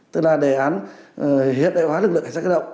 tức là đề án hiện đại hóa lực lượng cảnh sát cơ động